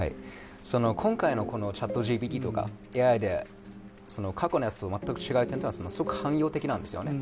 今回のＣｈａｔＧＰＴとかＡＩで過去のやつと全く違う点というのはすごく汎用的なんですよね。